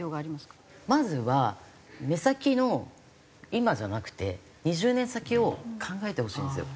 まずは目先の今じゃなくて２０年先を考えてほしいんですよ。